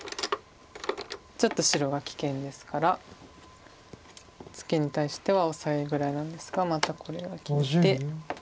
ちょっと白が危険ですからツケに対してはオサエぐらいなんですがまたこれは切って。